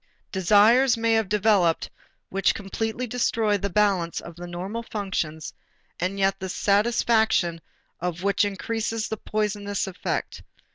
Desires may have developed which completely destroy the balance of the normal functions and yet the satisfaction of which increases the poisoning effect.